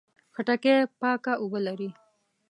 خټکی پاکه اوبه لري.